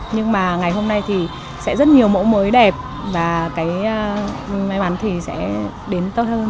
nhưng mà ngày hôm nay thì sẽ rất nhiều mẫu mới đẹp và cái may mắn thì sẽ đến tốt hơn